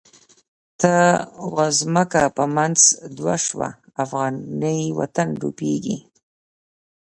ته وا ځمکه په منځ دوه شوه، افغانی وطن ډوبیږی